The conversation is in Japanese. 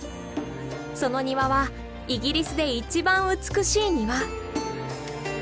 その庭はイギリスで一番美しい庭。